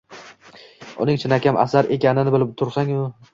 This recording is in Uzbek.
uning chinakam asar ekanini bilib tursang-u